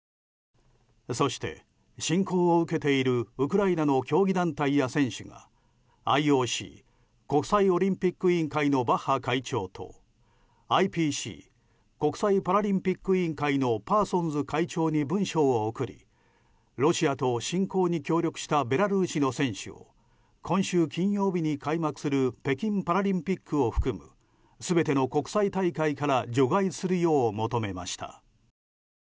そして、侵攻を受けているウクライナの競技団体や選手がＩＯＣ・国際オリンピック委員会のバッハ会長とＩＰＣ・国際パラリンピック委員会のパーソンズ会長に文書を送りロシアと侵攻に協力したベラルーシの選手を今週金曜日に開幕する北京パラリンピックを含む全ての国際大会から除外するよう求めました。